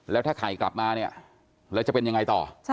แล้วถ้าไข่กลับมาเนี่ยแล้วจะเป็นยังไงต่อ